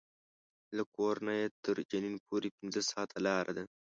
له کور نه یې تر جنین پورې پنځه ساعته لاره ده.